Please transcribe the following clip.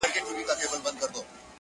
ژبه کي توان یې د ویلو نسته چپ پاته دی,